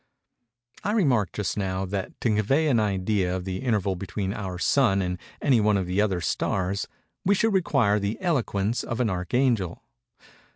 I remarked, just now, that to convey an idea of the interval between our Sun and any one of the other stars, we should require the eloquence of an archangel.